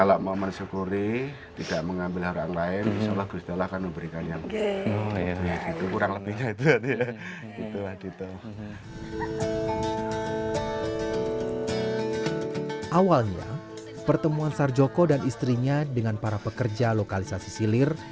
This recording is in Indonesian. awalnya pertemuan sarjoko dan istrinya dengan para pekerja lokalisasi silir